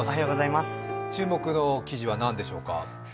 注目の記事は何でしょうか。